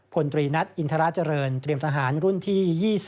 พลตรีนัทอินทราเจริญเตรียมทหารรุ่นที่๒๐